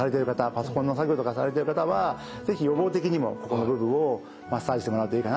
パソコンの作業とかされてる方は是非予防的にもここの部分をマッサージしてもらうといいかなというふうに思います。